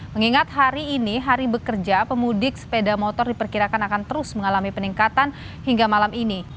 mengingat hari ini hari bekerja pemudik sepeda motor diperkirakan akan terus mengalami peningkatan hingga malam ini